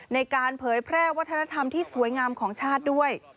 เผยแพร่วัฒนธรรมที่สวยงามของชาติด้วย